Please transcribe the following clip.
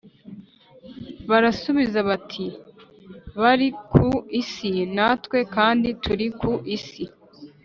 Barasubiza bati bari ku isi natwe kandi turi ku isi